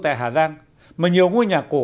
tại hà giang mà nhiều ngôi nhà cổ